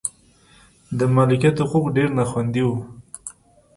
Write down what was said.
د مالکیت حقوق ډېر نا خوندي و.